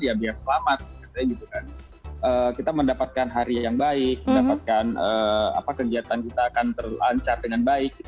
ya biar selamat kita mendapatkan hari yang baik mendapatkan kegiatan kita akan terlancar dengan baik